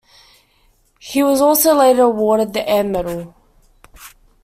He was also later awarded the Air Medal.